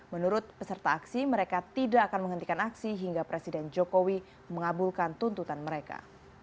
menurut peserta aksi mereka tidak akan menghentikan aksi hingga presiden jokowi mengabulkan tuntutan mereka